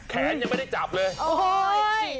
แขนยังไม่ได้จับเลย